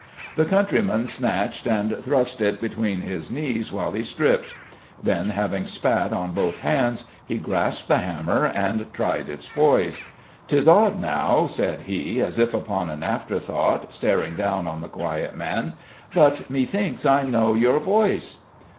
The countryman snatched and thrust it between his knees while he stripped. Then, having spat on both hands, he grasped the hammer and tried its poise. "'Tis odd, now," said he, as if upon an afterthought, staring down on the quiet man, "but methinks I know your voice?"